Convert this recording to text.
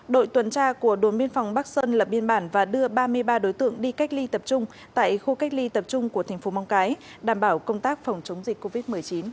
đội tuần tra của đồn biên phòng bắc sơn lập biên bản và đưa ba mươi ba đối tượng đi cách ly tập trung tại khu cách ly tập trung của thành phố mong cái đảm bảo công tác phòng chống dịch covid một mươi chín